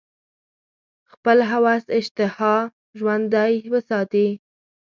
خپل هوس اشتها ژوندۍ وساتي.